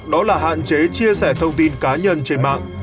đó là hạn chế chia sẻ thông tin cá nhân trên mạng